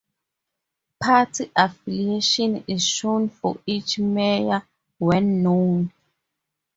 Party affiliation is shown for each mayor, when known.